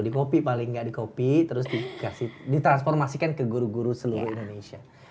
di copy paling gak di copy terus dikasih ditransformasikan ke guru guru seluruh indonesia